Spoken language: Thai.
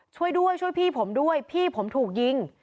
ช่วยด้วยช่วยพี่ผมด้วยพี่ผมถูกยิง